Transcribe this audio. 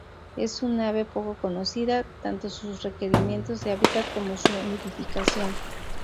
Es un ave poco conocida, tanto sus requerimientos de hábitat como su nidificación.